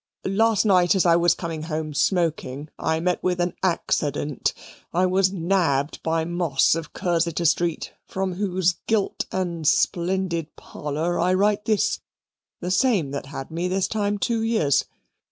Last night as I was coming home smoaking, I met with an ACCADENT. I was NABBED by Moss of Cursitor Street from whose GILT AND SPLENDID PARLER I write this the same that had me this time two years.